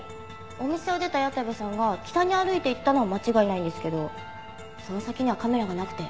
お店を出た矢田部さんが北に歩いていったのは間違いないんですけどその先にはカメラがなくて。